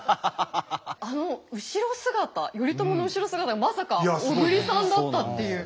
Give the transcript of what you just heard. あの後ろ姿頼朝の後ろ姿がまさか小栗さんだったっていう。